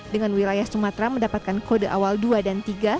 dengan wilayah sumatera mendapatkan kode awal dua dan tiga